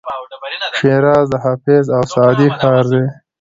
شیراز د حافظ او سعدي ښار دی.